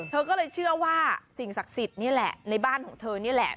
เธอก็เลยเชื่อว่าสิ่งศักดิ์สิทธิ์นี่แหละในบ้านของเธอนี่แหละ